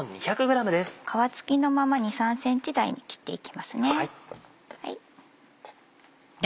皮付きのまま２３ｃｍ大に切っていきますね。